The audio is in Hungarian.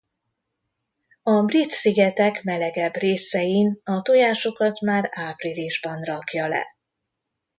A Brit-szigetek melegebb részein a tojásokat már áprilisban rakja le.